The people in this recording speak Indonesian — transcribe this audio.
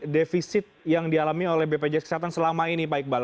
defisit yang dialami oleh bpjs kesehatan selama ini pak iqbal